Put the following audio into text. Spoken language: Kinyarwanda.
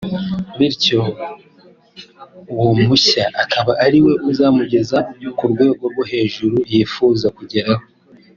bityo uwo mushya akaba ariwe uzamugeza ku rwego rwo hejuru yifuza kugeraho